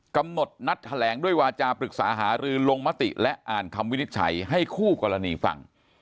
กำหนดนัดแถลงด้วยวาจาปรึกษาหารือลงมติและอ่านคำวินิจฉัยให้คู่กรณีฟัง